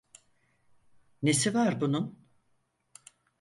Nesi var bunun?